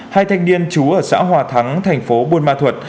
hai thanh niên trú ở xã hòa thắng thành phố buôn ma thuật